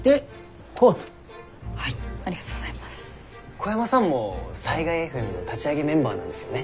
小山さんも災害ＦＭの立ち上げメンバーなんですよね？